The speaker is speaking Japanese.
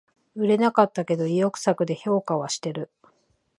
売れなかったけど意欲作で評価はしてる